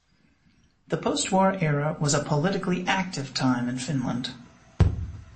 The post-war era was a politically active time in Finland.